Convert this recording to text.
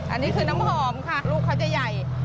อันนี้คือน้ำหอมค่ะลูกเขาจะใหญ่